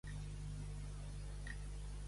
Marxant de guano.